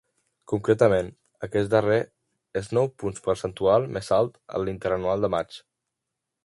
Concretament, aquest darrer és nou punts percentuals més alt en l’interanual de maig.